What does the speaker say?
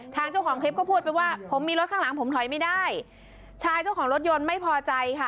ทางผมถอยไม่ได้ชายเจ้าของรถยนต์ไม่พอใจค่ะ